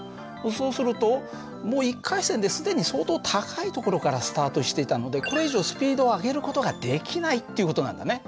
そうするともう１回戦で既に相当高い所からスタートしていたのでこれ以上スピードを上げる事ができないっていう事なんだね。